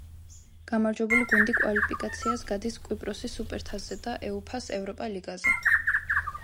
გამარჯვებული გუნდი კვალიფიკაციას გადის კვიპროსის სუპერთასზე და უეფა-ს ევროპა ლიგაზე.